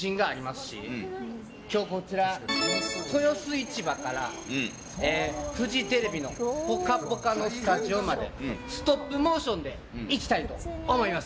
今日、豊洲市場からフジテレビの「ぽかぽか」のスタジオまでストップモーションで行きたいと思います。